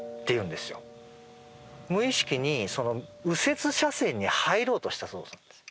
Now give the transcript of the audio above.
無意識にその右折車線に入ろうとしたそうなんです。